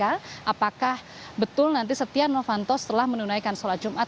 apakah betul nanti setia novanto setelah menunaikan sholat jumat